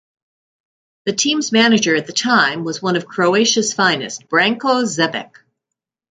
The team's manager at the time was one of Croatia's finest, Branko Zebec.